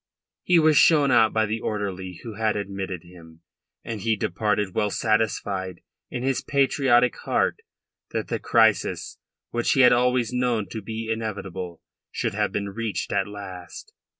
He was shown out by the orderly who had admitted him, and he departed well satisfied in his patriotic heart that the crisis which he had always known to be inevitable should have been reached at last.